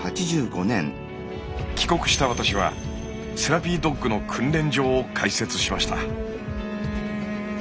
帰国した私はセラピードッグの訓練場を開設しました。